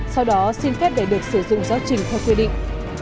sau đó xin phép để được sử dụng giáo trình theo quy định